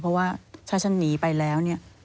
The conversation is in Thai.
เพราะว่าถ้าฉันนี้ไปแล้ว